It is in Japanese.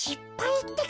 ってか。